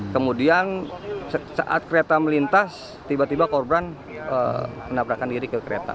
kemudian saat kereta melintas tiba tiba korban menabrakkan diri ke kereta